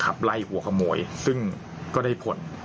ไล่หัวขโมยซึ่งก็ได้ผล